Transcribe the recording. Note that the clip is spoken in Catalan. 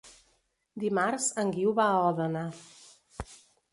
Dimarts en Guiu va a Òdena.